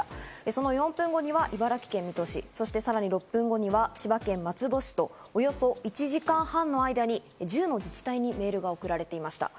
その４分後には茨城県水戸市、さらに６分後には千葉県松戸市と、およそ１時間半の間に１０の自治体にメールが送られていました。